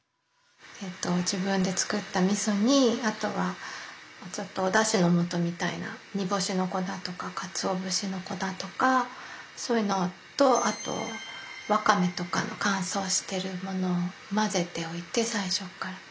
えっと自分で作ったみそにあとはちょっとおだしの素みたいな煮干しの粉とかかつお節の粉だとかそういうのとあとわかめとかの乾燥してるものを混ぜておいて最初から。